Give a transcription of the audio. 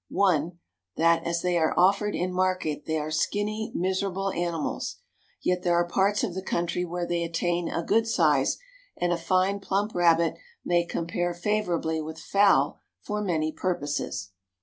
One, that as they are offered in market they are skinny, miserable animals. Yet there are parts of the country where they attain a good size, and a fine plump rabbit may compare favorably with fowl for many purposes.